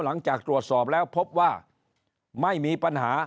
หลังจากตรวจสอบแล้วพบว่าไม่มีปัญหา